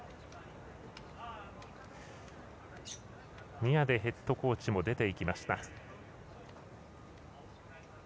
宮出ヘッドコーチも出てきました。